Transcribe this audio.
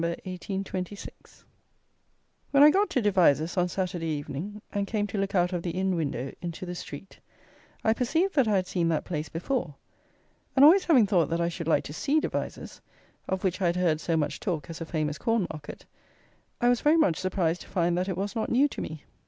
1826._ When I got to Devizes on Saturday evening, and came to look out of the inn window into the street, I perceived that I had seen that place before, and always having thought that I should like to see Devizes, of which I had heard so much talk as a famous corn market, I was very much surprised to find that it was not new to me.